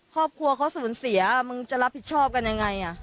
ครอบครัวเขาสูญเสียมึงจะรับผิดชอบกันยังไง